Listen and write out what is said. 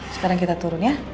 sekarang kita turun ya